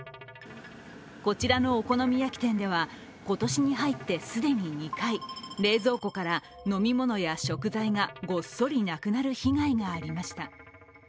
こちらのお好み焼き店では、今年に入って既に２回、冷蔵庫から飲み物や食材がごっそりなくなる被害がありました。